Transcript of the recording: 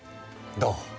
どう？